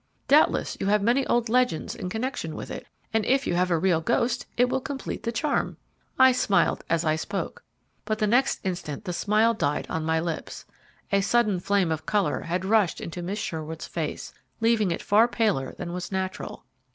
Doubtless you have many old legends in connection with it, and if you have a real ghost it will complete the charm." I smiled as I spoke, but the next instant the smile died on my lips. A sudden flame of colour had rushed into Miss Sherwood's face, leaving it far paler than was natural.